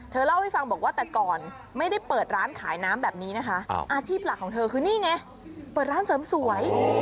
เล่าให้ฟังบอกว่าแต่ก่อนไม่ได้เปิดร้านขายน้ำแบบนี้นะคะอาชีพหลักของเธอคือนี่ไงเปิดร้านเสริมสวย